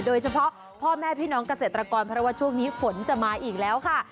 โดยเฉพาะพ่อแม่พี่น้องเกษตรกรเพราะว่าช่วงนี้ฝนจะมาอีกแล้วค่ะ